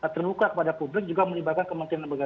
terbuka kepada publik juga melibatkan kementerian